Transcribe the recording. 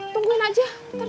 tungguin aja ntar juga dateng